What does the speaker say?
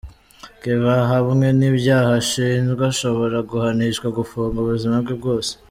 Kevin ahamwe n’ibyaha ashinjwa, ashobora guhanishwa gufunga ubuzima bwe bwose.